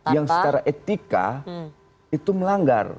yang secara etika itu melanggar